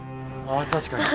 あ確かに。